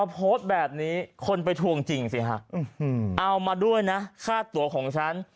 โพสต์แบบนี้คนไปทวงจริงสิฮะเอามาด้วยนะค่าตัวของฉัน